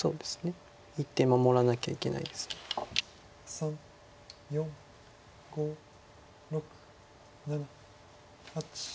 ３４５６７８。